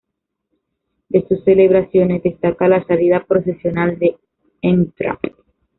De sus celebraciones destaca la salida procesional de Ntra.